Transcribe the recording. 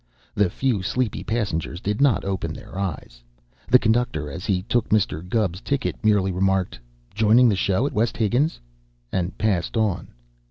The few sleepy passengers did not open their eyes; the conductor, as he took Mr. Gubb's ticket, merely remarked, "Joining the show at West Higgins?" and passed on.